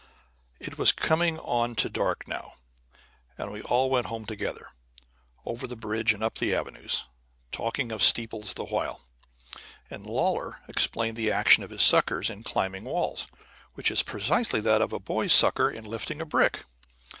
It was coming on to dark now, and we all went home together, over the bridge and up the avenues, talking of steeples the while. And Lawlor explained the action of his suckers in climbing walls, which is precisely that of a boy's sucker in lifting a brick.